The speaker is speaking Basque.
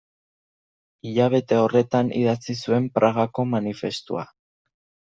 Hilabete horretan idatzi zuen Pragako manifestua.